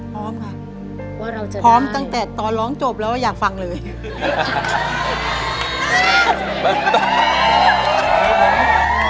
พร้อมค่ะพร้อมตั้งแต่ตอนร้องจบแล้วว่าอยากฟังเลยว่าเราจะได้